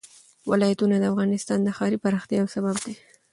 ولایتونه د افغانستان د ښاري پراختیا یو سبب دی.